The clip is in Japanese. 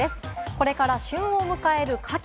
これから旬を迎えるカキ。